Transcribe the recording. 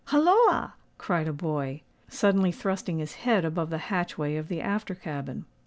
"Holloa!" cried a boy, suddenly thrusting his head above the hatchway of the after cabin.